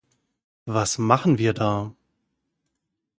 Was machen wir da?